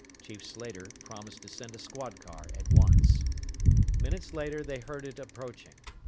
Chief Slater promised to send a squad car at once. Minutes later, they heard it approaching.